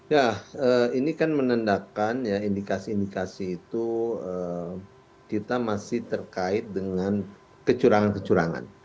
ya ini kan menandakan ya indikasi indikasi itu kita masih terkait dengan kecurangan kecurangan